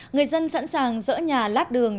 người dân sẵn sàng dỡ nhà lát đường